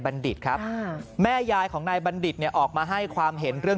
ดิษฐ์ครับแม่ยายของนายบัณฑิตเนี่ยออกมาให้ความเห็นเรื่อง